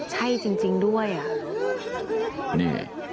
ใช่จริงด้วยอ่ะ